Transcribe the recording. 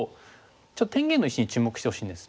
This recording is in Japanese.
ちょっと天元の石に注目してほしいんです。